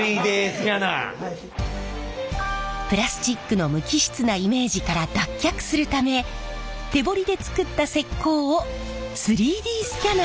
プラスチックの無機質なイメージから脱却するため手彫りで作った石こうを３Ｄスキャナーでデータ化！